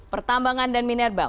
pertambangan dan minerba